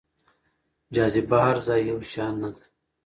جاذبه هر ځای يو شان نه ده.